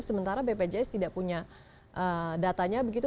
sementara bpjs tidak punya datanya begitu